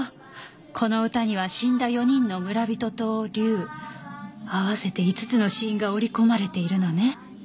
この唄には死んだ４人の村人と竜あわせて５つの死因が折り込まれているのね。